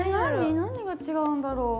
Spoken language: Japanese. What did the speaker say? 何が違うんだろう？